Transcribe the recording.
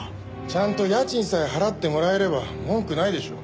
ちゃんと家賃さえ払ってもらえれば文句ないでしょ？